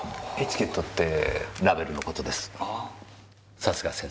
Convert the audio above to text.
さすが先生。